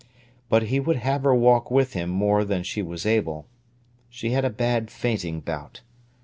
But he would have her walk with him more than she was able. She had a bad fainting bout.